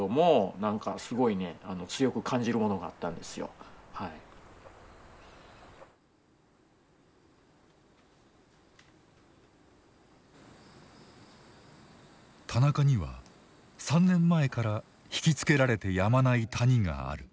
何ていうかな田中には３年前から惹きつけられてやまない谷がある。